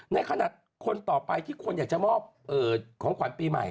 ในขณะคนต่อไปที่คนอยากจะมอบของขวัญปีใหม่